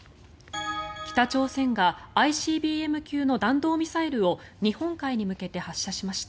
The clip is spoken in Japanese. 北朝鮮がＩＣＢＭ級の弾道ミサイルを日本海に向けて発射しました。